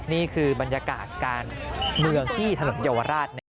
นี่คือบรรยากาศการเมืองที่ถนนเยาวราช